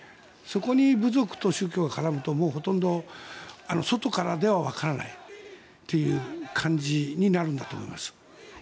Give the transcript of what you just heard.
そこに部族と宗教が絡むとほとんど外からではわからないという感じになるんだと思います。